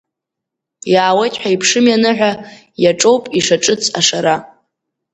Иаауеит ҳәа иԥшыми аныҳәа, иаҿоуп ишаҿыц ашара…